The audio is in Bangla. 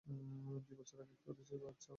দুই বছর আগে করেছি বাচ্চা আছে?